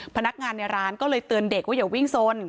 พนักงานในร้านก็เลยเตือนเด็กว่าอย่าวิ่งสน